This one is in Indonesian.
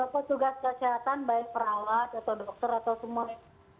petugas kesehatan baik perawat atau dokter atau semua